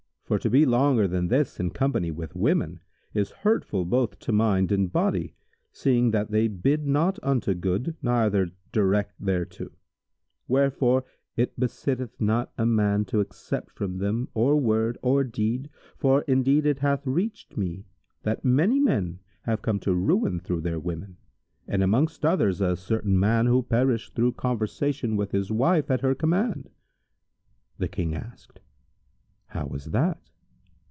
For to be longer than this in company with women is hurtful both to mind and body, seeing that they bid not unto good neither direct thereto: wherefore it besitteth not a man to accept from them or word or deed, for indeed it hath reached me that many men have come to ruin through their women, and amongst others a certain man who perished through conversation with his wife at her command." The King asked, "How was that?"